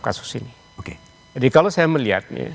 kasus ini jadi kalau saya melihatnya